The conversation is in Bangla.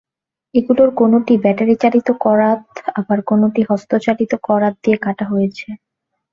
এগুলোর কোনোটি ব্যাটারিচালিত করাত আবার কোনোটি হস্তচালিত করাত দিয়ে কাটা হয়েছে।